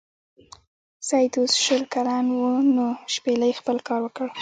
سید اوس شل کلن و نو شپیلۍ خپل کار وکړ.